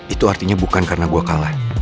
itu artinya bukan karena gue kalah